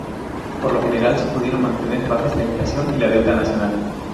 Por lo general se pudieron mantener bajas la inflación y la deuda nacional.